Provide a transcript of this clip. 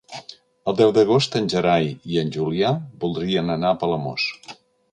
El deu d'agost en Gerai i en Julià voldrien anar a Palamós.